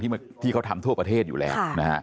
ที่เขาทำทั่วประเทศอยู่แล้วนะฮะ